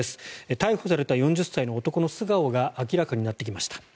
逮捕された４０歳の男の素顔が明らかになってきました。